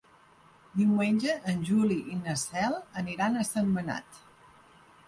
Diumenge en Juli i na Cel aniran a Sentmenat.